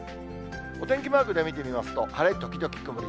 お天気マークで見てみますと、晴れ時々曇り。